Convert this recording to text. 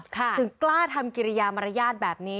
ถึงกล้าทำกิริยามารยาทแบบนี้